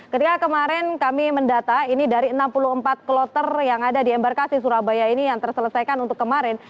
ketika kemarin kami mendata ini dari enam puluh empat kloter yang ada di embarkasi surabaya ini yang terselesaikan untuk kemarin